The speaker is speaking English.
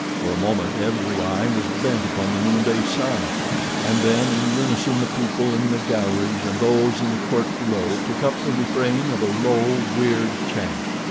For a moment every eye was bent upon the noonday sun, and then in unison the people in the galleries and those in the court below took up the refrain of a low, weird chant.